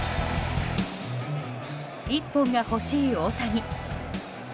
１本が欲しい大谷。